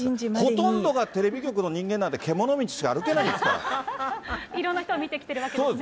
ほとんどがテレビ局の人間なんて、いろんな人を見てきているわけですね。